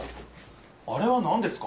あれはなんですか？